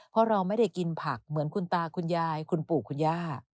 เพราะเราไม่ได้กินผักเหมือนคุณตาคุณยายคุณปู่คุณย่า